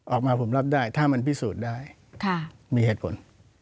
ออกมาผมรับได้ถ้ามันพิสูจน์ได้มีเหตุผล